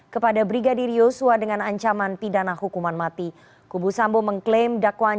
kepada brigadir yosua dengan ancaman pidana hukuman mati kubu sambo mengklaim dakwaan